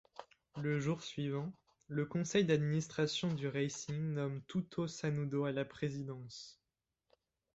Le jour suivant, le conseil d'administration du Racing nomme Tuto Sañudo à la présidence.